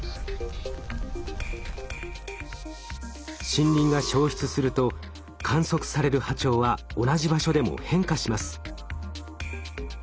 森林が焼失すると観測される波長は同じ場所でも変化します。